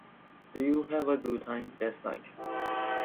Did you have a good time last night?